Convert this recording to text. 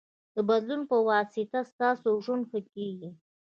د بدلون پواسطه ستاسو ژوند ښه کېږي.